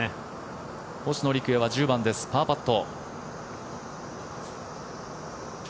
星野陸也は１０番ですパーパット。